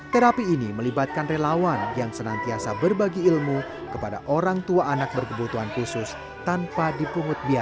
terapi ini melibatkan relawan yang senantiasa berbagi ilmu kepada orang tua anak berkebutuhan khusus tanpa dipungut biaya